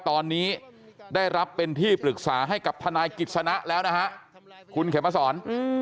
ตอนนี้ได้รับเป็นที่ปรึกษาให้กับทนายกิจสนะแล้วนะฮะคุณเขมสอน